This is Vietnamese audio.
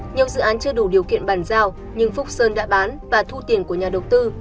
nhiều dự án chưa đủ điều kiện bàn giao nhưng phúc sơn đã bán và thu tiền của nhà đầu tư